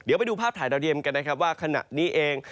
เดี๋ยวไปดูภาพถ่ายดาวเทียมกันนะครับว่าขณะนี้เอง